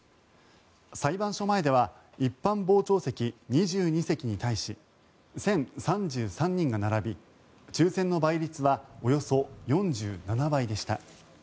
裁判所前では一般傍聴席２２席に対し１０３３人が並び、抽選の倍率はおよそ４７倍でした。